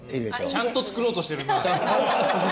ちゃんと作ろうとしてるな。